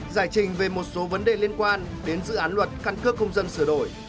giải trình về một số vấn đề liên quan đến dự án luật căn cước công dân sửa đổi